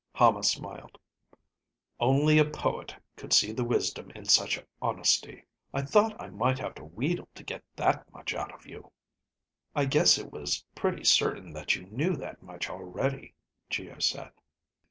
Hama smiled. "Only a poet could see the wisdom in such honesty. I thought I might have to wheedle to get that much out of you." "I guess it was pretty certain that you knew that much already," Geo said.